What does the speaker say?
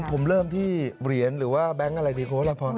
ผมเริ่มที่เหรียญหรือว่าแบงค์อะไรดีกว่าพอแล้วพอ